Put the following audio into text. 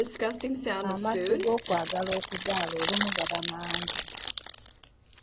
Amaddu ag'okwagala okuzaala olumu gaba mangi.